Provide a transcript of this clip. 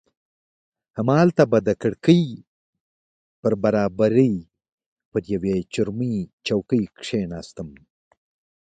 همالته به د کړکۍ پر برابري پر یوې چرمي چوکۍ کښېناستم.